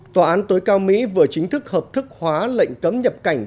tòa án tối cao mỹ vừa chính thức hợp thức hóa lệnh cấm nhập cảnh